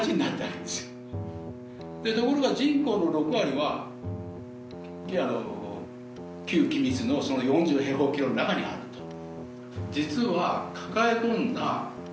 ところが人口の６割は旧君津のその４０平方キロの中にあると実は抱え込んだ